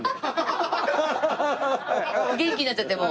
元気になっちゃってもう。